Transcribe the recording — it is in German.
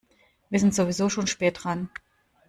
Wir sind sowieso schon spät dran.